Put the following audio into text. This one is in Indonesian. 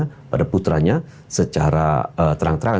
kepada putranya secara terang terang